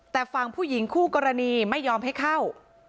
แต่ฝั่งผู้หญิงคู่กรณีไม่ยอมให้เข้า